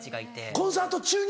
コンサート中に？